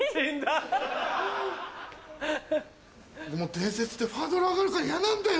伝説ってハードル上がるから嫌なんだよ。